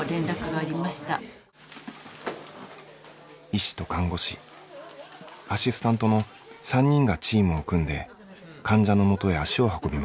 医師と看護師アシスタントの３人がチームを組んで患者のもとへ足を運びます。